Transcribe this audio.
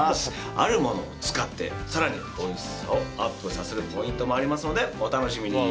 あるものを使って更においしさをアップさせるポイントがありますのでお楽しみに。